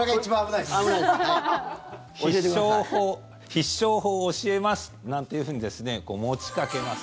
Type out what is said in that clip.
必勝法を教えますなんていうふうに持ちかけます。